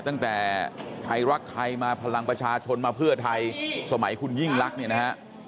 ตั้งแต่ไทยรักไทยมาพลังประชาชนมาเพื่อไทยสมัยคุณยิ่งรักเนี่ยนะฮะ